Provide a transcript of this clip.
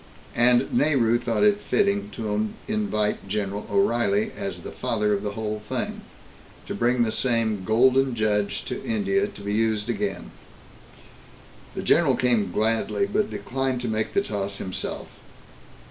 And Nehru thought it fitting to invite General O'Reilly, as the father of the whole thing, to bring the same "Golden Judge" to India, to be used again. The general came gladly, but declined to make the toss himself.